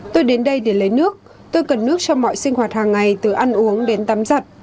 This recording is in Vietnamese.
tôi đến đây để lấy nước tôi cần nước cho mọi sinh hoạt hàng ngày từ ăn uống đến tắm giặt